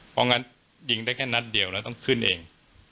เพราะงั้นยิงได้แค่นัดเดียวแล้วต้องขึ้นเอง